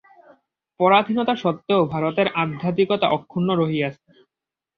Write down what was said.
পরাধীনতা সত্ত্বেও ভারতের আধ্যাত্মিকতা অক্ষুণ্ণ রহিয়াছে।